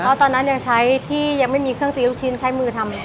เพราะตอนนั้นยังใช้ที่ยังไม่มีเครื่องตีลูกชิ้นใช้มือทำ